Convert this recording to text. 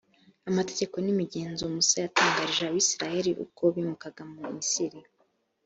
amategeko n’imigenzo musa yatangarije abayisraheli ubwo bimukaga mu misiri,